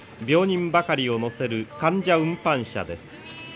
病人ばかりを乗せる患者運搬車です。